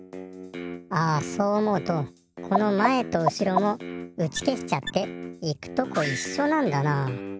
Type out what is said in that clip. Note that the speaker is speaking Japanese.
あそう思うとこのまえとうしろもうちけしちゃって行くとこいっしょなんだなあ。